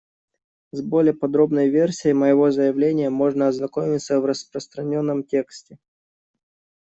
С более подробной версией моего заявления можно ознакомиться в распространенном тексте.